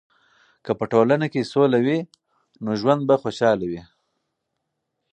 که په ټولنه کې سوله وي، نو ژوند به خوشحاله وي.